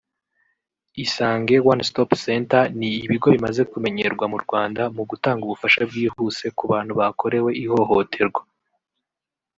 Isange One Stop Center ni ibigo bimaze kumenyerwa mu Rwanda mu gutanga ubufasha bwihuse ku bantu bakorewe ihohoterwa